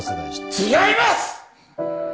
違いますッ！